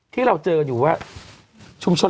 ที่เราเจออยู่ว่าชุมชน